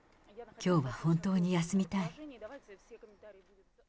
きょうは本当に休みたい。